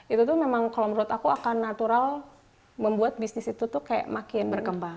itu tuh memang kalau menurut aku akan natural membuat bisnis itu tuh kayak makin berkembang